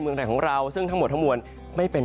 เมืองไทยของเราซึ่งทั้งหมดทั้งมวลไม่เป็น